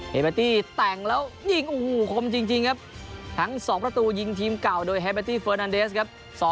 เบตี้แต่งแล้วยิงโอ้โหคมจริงครับทั้ง๒ประตูยิงทีมเก่าโดยแฮเบตี้เฟอร์นันเดสครับ